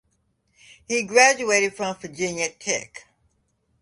He graduated from Virginia Tech.